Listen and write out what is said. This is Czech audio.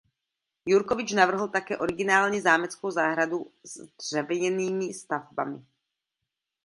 Jurkovič navrhl také originální zámeckou zahradu s dřevěnými stavbami.